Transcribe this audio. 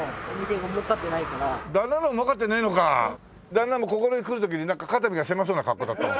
旦那もここに来る時になんか肩身が狭そうな格好だったもん。